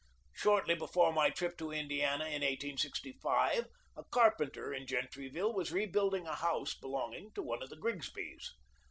Shortly before my trip to Indiana in 1865 a carpenter in Gentryville was rebuilding a house belonging to one of the Grigsbys.